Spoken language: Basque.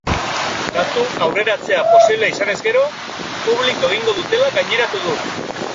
Data aurreratzea posible izanez gero, publiko egingo dutela gaineratu du.